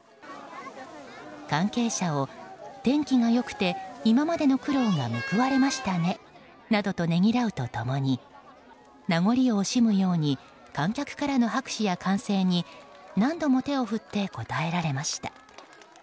関係者を、天気が良くて今までの苦労が報われましたねなどとねぎらうと共に名残を惜しむように観客からの拍手や歓声に何度も手を振って応えられました。